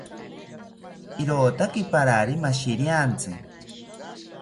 Irotaki parari mashiriantzi